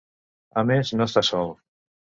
A més, no està sol.